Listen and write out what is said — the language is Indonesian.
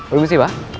udah besi pak